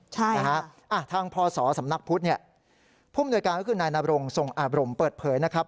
ใช่นะฮะทางพศสำนักพุทธเนี่ยผู้มนวยการก็คือนายนบรงทรงอาบรมเปิดเผยนะครับ